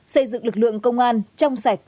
xây dựng lực lượng công an trong sạch